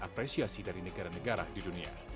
dan apresiasi dari negara negara di dunia